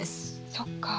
そっか。